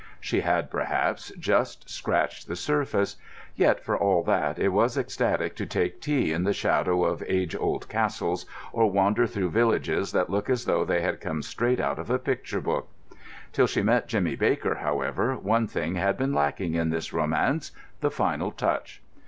She had, perhaps, just scratched the surface; yet, for all that, it was ecstatic to take tea in the shadow of age old castles, or wander through villages that looked as though they had come straight out of a picture book. Till she met Jimmy Baker, however, one thing had been lacking in this romance—the final touch.